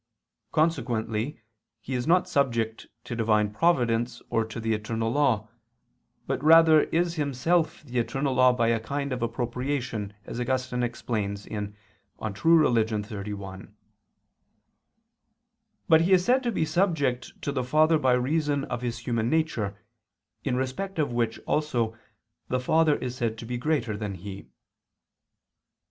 Consequently He is not subject to Divine providence or to the eternal law: but rather is Himself the eternal law by a kind of appropriation, as Augustine explains (De Vera Relig. xxxi). But He is said to be subject to the Father by reason of His human nature, in respect of which also the Father is said to be greater than He.